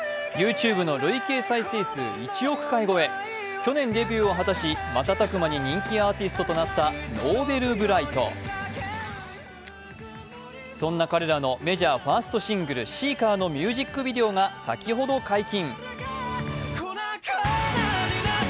去年デビューを果たし瞬く間に人気アーティストとなったＮｏｖｅｌｂｒｉｇｈｔ、そんな彼らのメジャーファーストシングル、「ｓｅｅｋｅｒ」のミュージックビデオが先ほど解禁。